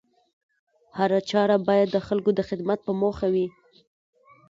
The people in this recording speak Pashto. هره چاره بايد د خلکو د خدمت په موخه وي